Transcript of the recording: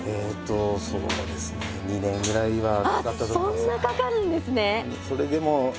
あそんなかかるんですね。